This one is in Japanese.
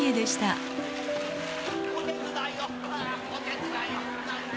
お手伝いを！